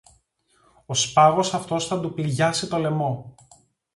Ο σπάγος αυτός θα του πληγιάσει το λαιμό